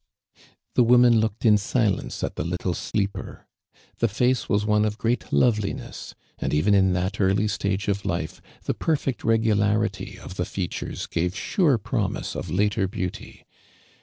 The woman looked in silence at the little sleeper. The face was one of great loveli ness, and even in that early stage of life. the perfect regularity of the featm es gave sure promise of later be.auty.